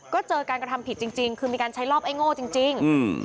ก็เจอการกระทำผิดจริงคือมีการใช้รอบไอ้โง่จริง